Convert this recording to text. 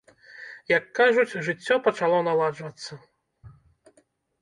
Як кажуць, жыццё пачало наладжвацца.